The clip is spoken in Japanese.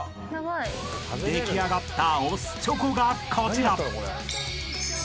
［出来上がった押忍チョコがこちら］